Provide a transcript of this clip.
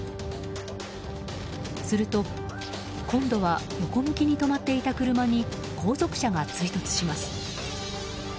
すると今度は横向きに止まっていた車に後続車が追突します。